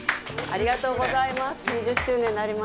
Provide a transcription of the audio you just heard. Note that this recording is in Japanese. ありがとうございます。